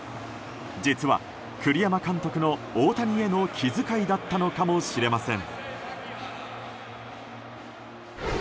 実は栗山監督の、大谷への気遣いだったのかもしれません。